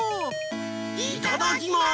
いただきます！